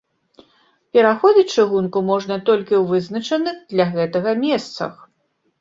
Пераходзіць чыгунку можна толькі ў вызначаных для гэтага месцах.